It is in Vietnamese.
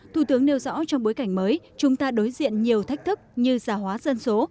thủ tướng nêu rõ trong bối cảnh mới chúng ta đối diện nhiều thách thức như giả hóa dân số